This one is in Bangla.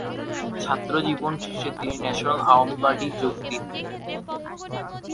ছাত্র জীবন শেষে তিনি ন্যাশনাল আওয়ামী পার্টি যোগ দিন।